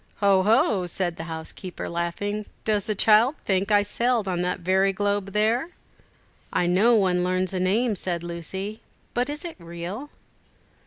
"Ho! ho!" said the housekeeper, laughing; "does the child think I sailed on that very globe there?" "I know one learns names," said Lucy; "but is it real?"